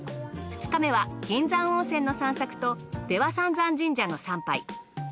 ２日目は銀山温泉の散策と出羽三山神社の参拝。